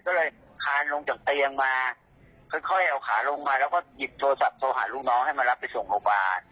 ก็เลยคานลงจากเตียงมาค่อยเอาขาลงมาแล้วก็หยิบโทรศัพท์โทรหาลูกน้องให้มารับไปส่งโรงพยาบาล